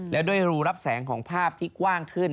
แล้วด้วยรูรับแสงของภาพที่กว้างขึ้น